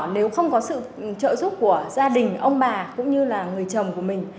nếu không có sự trợ giúp của gia đình ông bà cũng như là người chồng của mình